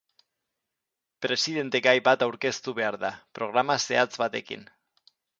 Presidentegai bat aurkeztu behar da, programa zehatz batekin.